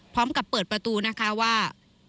พร้อมกับเปิดประตูนะคะว่า